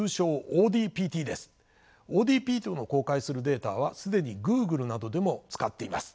ＯＤＰＴの公開するデータは既にＧｏｏｇｌｅなどでも使っています。